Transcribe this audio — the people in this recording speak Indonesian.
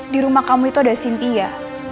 di rumah kamu itu ada cynthia